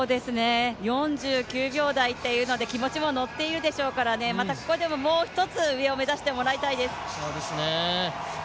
４９秒台というので、気持ちも乗っているでしょうからね、またここでももう一つ上を目指してもらいたいです。